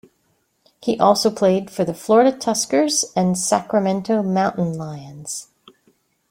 He also played for the Florida Tuskers and Sacramento Mountain Lions.